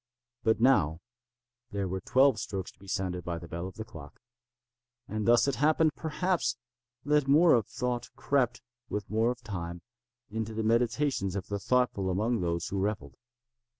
But now there were twelve strokes to be sounded by the bell of the clock; and thus it happened, perhaps, that more of thought crept, with more of time, into the meditations of the thoughtful among those who revelled.